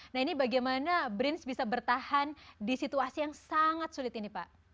nah ini bagaimana brins bisa bertahan di situasi yang sangat sulit ini pak